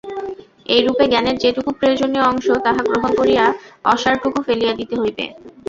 এইরূপে জ্ঞানের যেটুকু প্রয়োজনীয় অংশ, তাহা গ্রহণ করিয়া অসারটুকু ফেলিয়া দিতে হইবে।